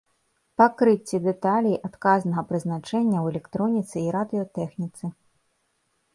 Пакрыцці дэталей адказнага прызначэння ў электроніцы і радыётэхніцы.